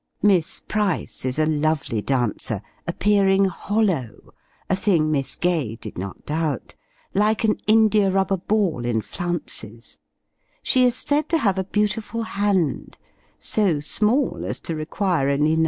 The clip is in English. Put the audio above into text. Miss Price is a lovely dancer, appearing hollow (a thing Miss Gay did not doubt), like an India rubber ball in flounces; she is said to have a beautiful hand, so small as to require only No.